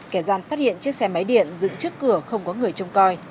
kẻ gian phát hiện chiếc xe máy điện dựng trước cửa không có người trông coi